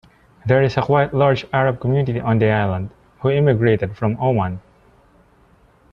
There is a quite large Arab community on the island, who immigrated from Oman.